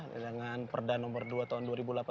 dengan perda nomor dua tahun dua ribu delapan belas